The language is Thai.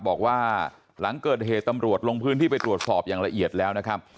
บอกว่าหลังเกิดเหตุตำรวจลงพื้นที่ไปตรวจสอบอย่างละเอียดแล้วนะครับ